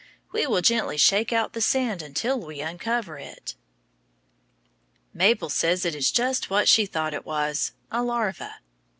We will gently shake out the sand until we uncover it. Mabel says it is just what she thought it was a larva.